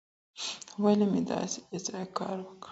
ولي مې داسې بې ځایه کار وکړ؟